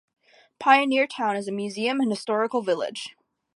Pioneer Town is a museum and historical village.